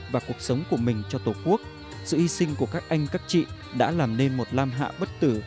và cuộc sống của mình cho tổ quốc sự hy sinh của các anh các chị đã làm nên một lam hạ bất tử